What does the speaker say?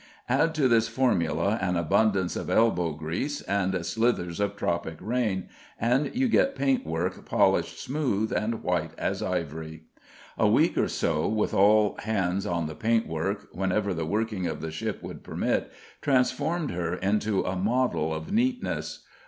Add to this formula an abundance of "elbow grease," and slithers of tropic rain, and you get paintwork polished smooth and white as ivory. A week or so, with all hands on the paintwork, whenever the working of the ship would permit, transformed her into a model of neatness.